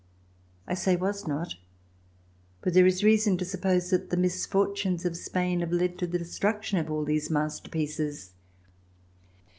I say "was" not, for there is reason to suppose that the misfortunes of Spain have led to the destruction of all these masterpieces.